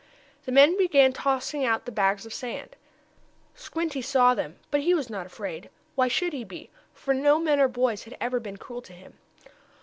The men began tossing out the bags of sand. Squinty saw them, but he was not afraid. Why should he be? for no men or boys had ever been cruel to him.